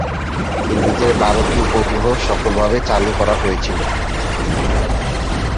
সিরিজের বারোটি উপগ্রহ সফলভাবে চালু করা হয়েছিল।